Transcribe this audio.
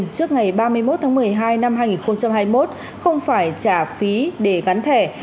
trước ngày ba mươi một tháng một mươi hai năm hai nghìn hai mươi một không phải trả phí để gắn thẻ